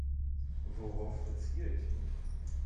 Worauf beziehe ich mich?